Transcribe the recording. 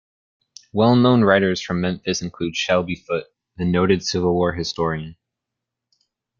Well-known writers from Memphis include Shelby Foote, the noted Civil War historian.